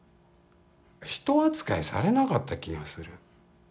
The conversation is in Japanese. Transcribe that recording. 人扱いされなった気がする。